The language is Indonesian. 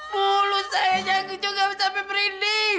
mulu saya juga sampai berindih